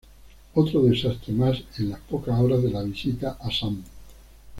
Otro desastre mas en las pocas horas de la visita a Sam.